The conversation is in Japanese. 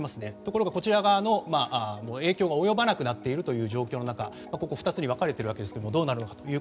しかし、こちら側の影響が及ばなくなっているという状況の中２つに分かれているわけですがどうなるのか。